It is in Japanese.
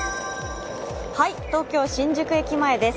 東京・新宿駅前です。